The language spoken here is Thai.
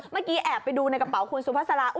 เมื่อกี้แอบไปดูในกระเป๋าคุณสุภาษา